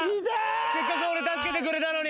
せっかく俺、助けてくれたのに。